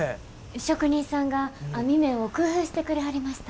職人さんが網目を工夫してくれはりました。